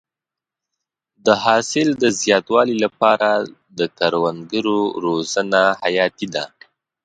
د حاصل د زیاتوالي لپاره د کروندګرو روزنه حیاتي ده.